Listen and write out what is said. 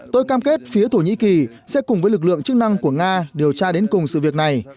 tôi cam kết phía thổ nhĩ kỳ sẽ cùng với lực lượng chức năng của nga điều tra đến cùng sự việc này